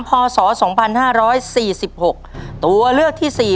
พศสองพันห้าร้อยสี่สิบหกตัวเลือกที่สี่